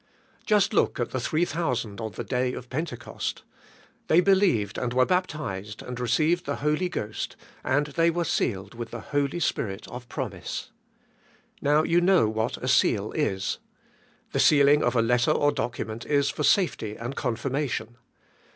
Just look at the three thousand on the day of Pentecost. They be lieved and were baptized and received the Holy Ghost, and they were sealed with the Holy Spirit of promise. Now, you know what a seal is. The sealing of a letter or document is for safety and confirma tion.